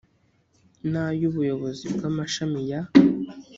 n ay ubuyobozi bw amashami ya